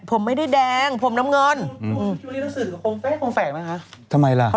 พอก็แต่งตัวแบบตามละครไง